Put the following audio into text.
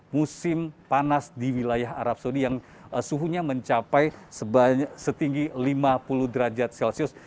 musim panas di wilayah arab saudi yang suhunya mencapai setinggi lima puluh derajat celcius